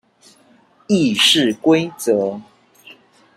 議事規則